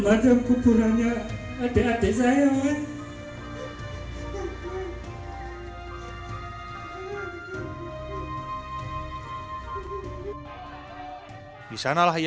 hukum hukum hukum hukum hukum hukum hukum hukum disanalah yang menyebutkan data tadi